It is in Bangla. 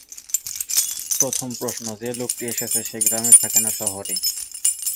প্রথম প্রশ্ন, যে লোকটি এসেছে সে গ্রামে থাকে না শহরে?